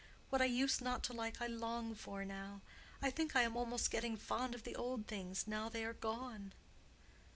What I used not to like I long for now. I think I am almost getting fond of the old things now they are gone."